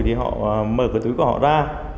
thì họ mở cái túi của họ ra